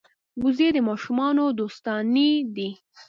وزې د ماشومانو دوستانې دي